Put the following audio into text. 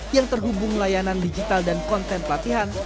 yang terhubung layanan digital dan konten pelatihan